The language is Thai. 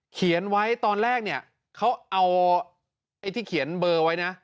เขียนไว้ตอนแรกเนี่ยเขาเอาไอ้ที่เขียนเบอร์ไว้นะ